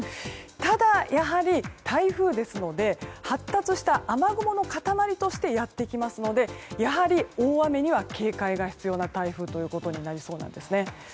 ただ、やはり台風ですので発達した雨雲の塊としてやってきますのでやはり、大雨には警戒が必要な台風となりそうなんですね。